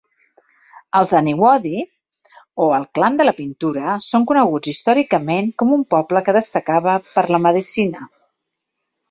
Els aniwodi, o el clan de la pintura, són coneguts històricament com un poble que destacava per la medicina.